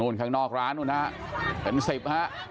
นู่นข้างนอกร้านเป็น๑๐ครับ